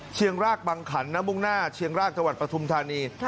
เชียงรากบางคันณบุ้งหน้าเชียงรากจักรประถุมฐานี